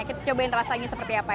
kita cobain rasanya seperti apa